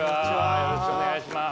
よろしくお願いします。